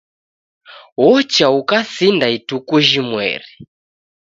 Wocha, ukasinda ituku jhimweri